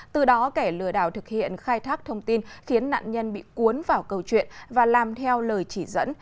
từ đó kẻ lừa đảo thực hiện khai thác thông tin khiến nạn nhân bị cuốn vào câu chuyện và làm theo lời chỉ dẫn